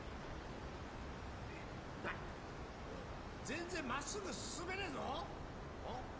全然真っすぐ進めねえぞおっ？